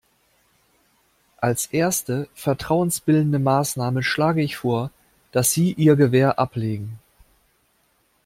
Als erste vertrauensbildende Maßnahme schlage ich vor, dass Sie ihr Gewehr ablegen.